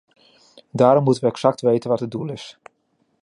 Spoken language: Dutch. Daarom moeten we exact weten wat het doel is.